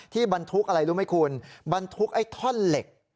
บรรทุกอะไรรู้ไหมคุณบรรทุกไอ้ท่อนเหล็ก